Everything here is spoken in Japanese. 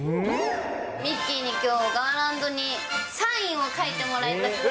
ミッキーにきょう、ガーランドにサインを書いてもらいたくて。